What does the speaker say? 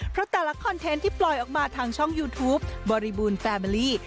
เพราะแต่ละคอนเทนต์ที่ปล่อยออกมาทางช่องยูทูปบริบูรณ์แฟเมอรี่